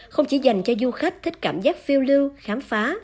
không chỉ dành cho du khách thích cảm giác phiêu lưu khám phá